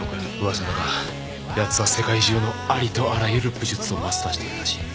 噂だがやつは世界中のありとあらゆる武術をマスターしているらしい。